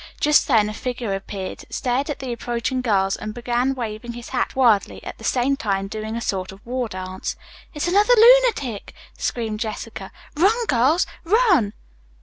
Just then a figure appeared, stared at the approaching girls and began waving his hat wildly, at the same time doing a sort of war dance. "It's another lunatic," screamed Jessica. "Run, girls, run!"